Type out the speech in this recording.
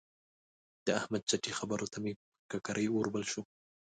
د احمد چټي خبرو ته مې پر ککرۍ اور بل شو.